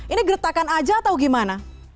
ini gertakan aja atau gimana